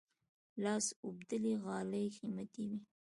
لاس اوبدلي غالۍ قیمتي وي.